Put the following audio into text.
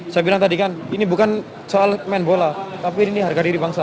saya bilang tadi kan ini bukan soal main bola tapi ini harga diri bangsa